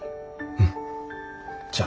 うんじゃあ。